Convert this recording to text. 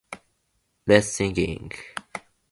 一緒に歌おうよ